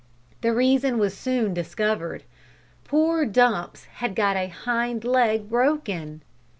The reason was soon discovered poor Dumps had got a hind leg broken!